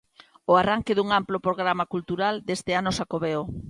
O arranque dun amplo programa cultural deste ano Xacobeo.